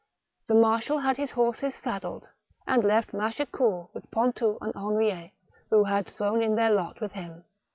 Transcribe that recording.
The marshal had his horses saddled, and left Machecoul with Pontou and Henriet, who had thrown in their lot with him.